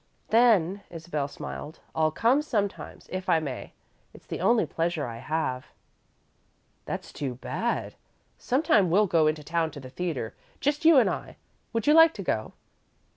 "Then," Isabel smiled, "I'll come sometimes, if I may. It's the only pleasure I have." "That's too bad. Sometime we'll go into town to the theatre, just you and I. Would you like to go?"